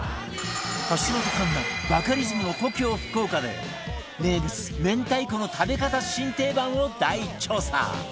橋本環奈バカリズムの故郷福岡で名物明太子の食べ方新定番を大調査！